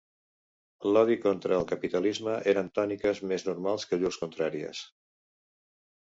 L'odi contra el capitalisme eren tòniques més normals que llurs contràries